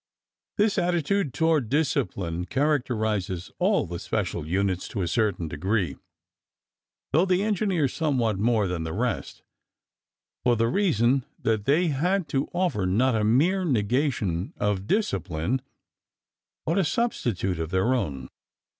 This attitude toward discipline characterizes all the special units to a certain degree, though the engineers somewhat more than the rest, for the reason that they had to offer not a mere negation of discipline but a substitute of their own.